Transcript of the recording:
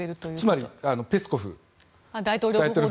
つまりペスコフ。